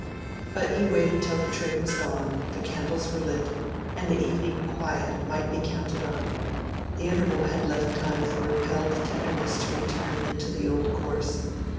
But he waited till the tray was gone, the candles were lit, and the evening quiet might be counted on: the interval had left time for repelled tenderness to return into the old course.